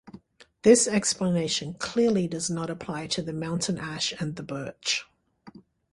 This explanation clearly does not apply to the mountain ash and the birch.